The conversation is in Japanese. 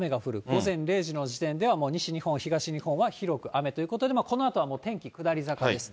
午前０時の時点ではもう西日本、東日本は広く雨ということで、このあとはもう天気下り坂です。